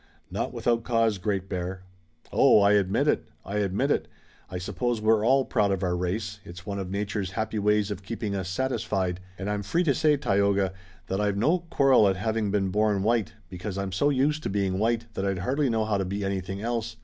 "Not without cause, Great Bear." "Oh, I admit it! I admit it! I suppose we're all proud of our race it's one of nature's happy ways of keeping us satisfied and I'm free to say, Tayoga, that I've no quarrel at having been born white, because I'm so used to being white that I'd hardly know how to be anything else.